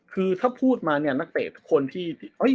คือถ้าพูดมาเนี่ยนักเตะทุกคนที่